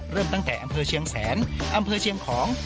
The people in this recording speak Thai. เริ่มตั้งแต่อำเภอเชียงแสนอำเภอเชียงของ